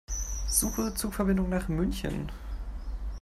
Suche Zugverbindungen nach München.